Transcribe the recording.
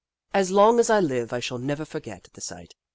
As long as I live, I shall never forget that sight.